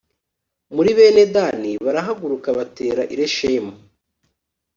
Nuko bene Dani barahaguruka batera i Leshemu